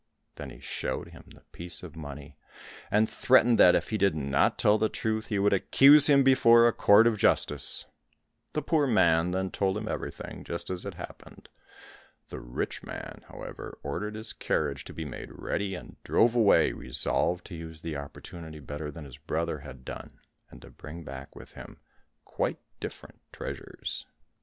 Then he showed him the piece of money, and threatened that if he did not tell the truth he would accuse him before a court of justice. The poor man then told him everything, just as it happened. The rich man, however, ordered his carriage to be made ready, and drove away, resolved to use the opportunity better than his brother had done, and to bring back with him quite different treasures.